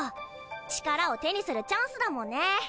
力を手にするチャンスだもんね